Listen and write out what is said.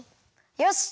よし！